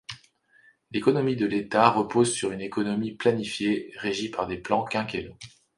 L'économie de l'État repose sur une économie planifiée régie par des plans quinquennaux.